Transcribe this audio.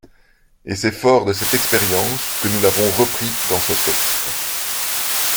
Et c’est fort de cette expérience que nous l’avons repris dans ce texte.